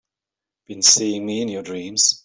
Been seeing me in your dreams?